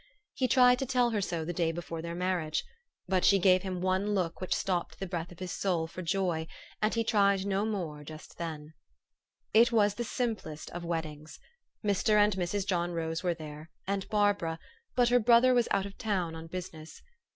He tried to tell her so the day before their marriage. But she gave him one look which stopped the breath of his soul, for joy ; and he tried no more just then. THE STORY OF AVIS. 231 It was the simplest of weddings. Mr. and Mrs. John Rose were there, and Barbara ; but her brother was out of town on business.